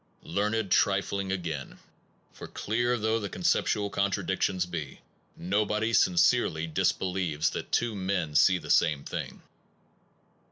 Learned trifling again; for clear though the conceptual contradictions be, no body sincerely disbelieves that two men see the same thing.